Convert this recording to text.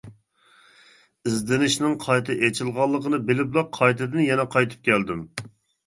ئىزدىنىشنىڭ قايتا ئېچىلغانلىقىنى بىلىپلا قايتىدىن يەنە قايتىپ كەلدىم.